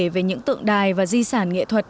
về những tượng đài và di sản nghị thuật